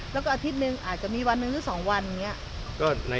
แล้วก็อาทิตย์หนึ่งอาจจะมีวันหนึ่งหรือ๒วันอย่างนี้